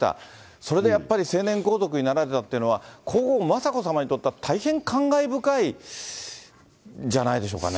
それでやっぱり成年皇族になられたというのは、皇后雅子さまにとっては、大変感慨深いんじゃないんでしょうかね。